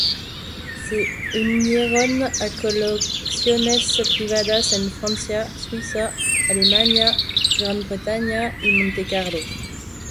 Se unieron a colecciones privadas en Francia, Suiza, Alemania, Gran Bretaña y Monte Carlo.